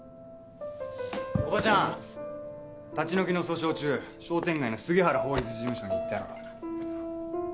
おばちゃん立ち退きの訴訟中商店街の杉原法律事務所に行ったろ。